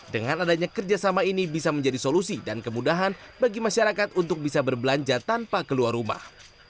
dengan adanya kerjasama ini bisa menjadi solusi dan kemudahan bagi masyarakat untuk bisa berbelanja tanpa keluar rumah